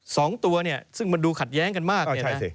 สองตัวเนี่ยซึ่งมันดูขัดแย้งกันมากเนี่ยนะ